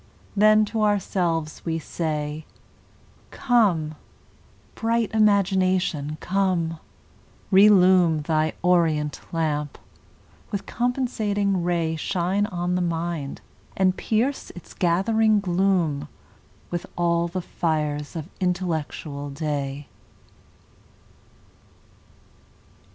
—Then to ourselves we say, Come, bright Imagination, come! relume Thy orient lamp; with recompensing ray Shine on the Mind, and pierce its gathering gloom With all the fires of intellectual Day!